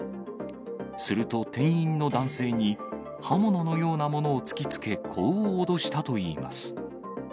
すると店員の男性に、刃物のようなものを突きつけ、こう脅したといいます。